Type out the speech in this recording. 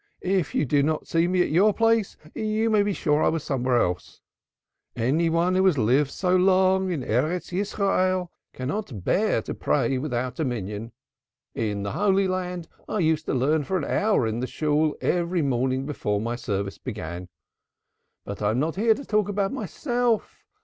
"If you do not see me at your place you may be sure I'm somewhere else. Any one who has lived so long as I in the Land of Israel cannot bear to pray without a quorum. In the Holy Land I used to learn for an hour in the Shool every morning before the service began. But I am not here to talk about myself.